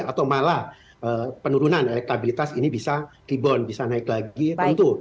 atau malah penurunan elektabilitas ini bisa rebound bisa naik lagi tentu